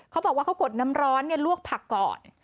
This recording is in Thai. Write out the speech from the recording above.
เขาบอกว่าเขากดน้ำร้อนลวกผักก่อน